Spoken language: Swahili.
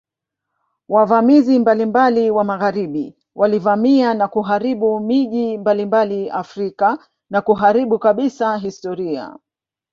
Wavamizi mbalimbali wa magharibi walivamia na kuharibu miji mbalimbali Afrika na kuharibu kabisa historia